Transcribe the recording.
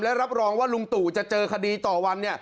และรับรองว่าลุงตู่จะเจอคดีต่อวัน